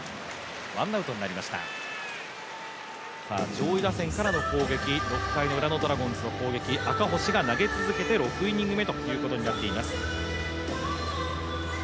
上位打線からの攻撃６回のウラのドラゴンズ赤星が投げ続けて６イニング目ということになっています。